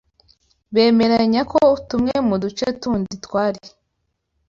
bemeranya ko tumwe mu duce tundi twari